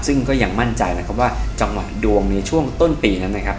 ซึ่งก็ยังมั่นใจนะครับว่าจังหวะดวงในช่วงต้นปีนั้นนะครับ